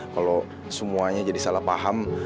kalau semuanya jadi salah paham